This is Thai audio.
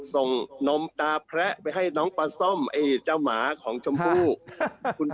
ส่งน้องตาแพระไปให้น้องปลาซ่อมไอ้เจ้าหมาของชมพู่